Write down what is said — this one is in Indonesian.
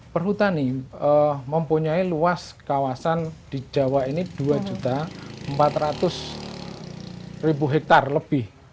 perhutani mempunyai luas kawasan di jawa ini dua empat ratus hektare lebih